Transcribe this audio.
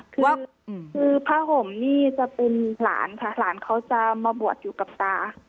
คือคือผ้าห่มนี่จะเป็นหลานค่ะหลานเขาจะมาบวชอยู่กับตา